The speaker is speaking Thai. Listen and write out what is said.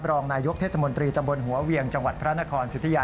รองนายกเทศมนตรีตำบลหัวเวียงจังหวัดพระนครสุธิยา